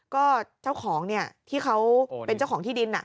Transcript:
ก็เจ้าของที่เขาเป็นเจ้าของที่ดิน